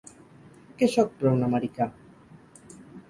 Què sóc però un americà?